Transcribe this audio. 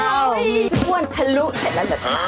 อ้าวพี่ห้วนพะลุเสร็จแล้วเหรอค่ะ